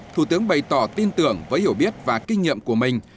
thủ tướng bày tỏ tin tưởng với hiểu biết và kinh nghiệm của mình